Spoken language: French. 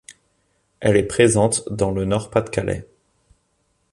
Elle est présente dans le Nord-Pas-de-Calais.